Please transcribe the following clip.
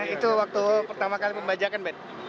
itu waktu pertama kali pembajakan ben